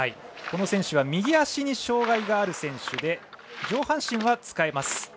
この選手は右足に障がいがある選手で上半身は使えます。